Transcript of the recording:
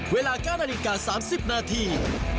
เวลาการณีการ๓๐นาที